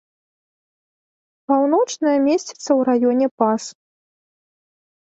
Паўночная месціцца ў раёне пас.